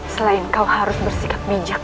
selain kau harus bersikap bijak